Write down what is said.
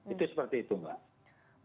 itu seperti itu mbak